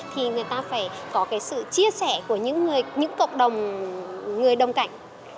thì người ta phải có cái sự chia sẻ của những cộng đồng người đông cảnh